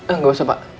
enggak usah pak